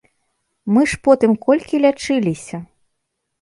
Мы ж потым колькі лячыліся!